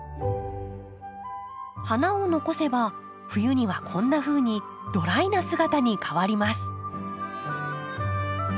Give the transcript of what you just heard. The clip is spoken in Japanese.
花を残せば冬にはこんなふうにドライな姿に変わります。